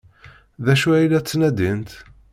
D acu ay la ttnadint?